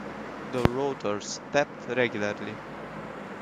The rotors stepped regularly.